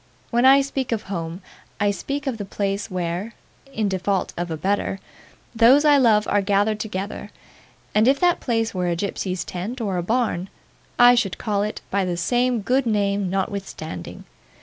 When I speak of home, I speak of the place where in default of a better those I love are gathered together; and if that place were a gypsy's tent, or a barn, I should call it by the same good name notwithstanding.